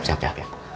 siap siap siap